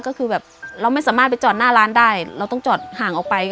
ก็คือแบบเราไม่สามารถไปจอดหน้าร้านได้เราต้องจอดห่างออกไป